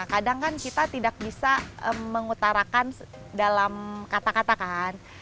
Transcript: kadang kan kita tidak bisa mengutarakan dalam kata kata kan